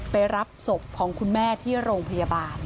ไปรับศพของคุณแม่ที่โรงพยาบาล